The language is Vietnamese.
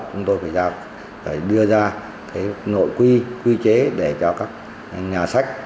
chúng tôi phải đưa ra cái nội quy quy chế để cho các nhà sách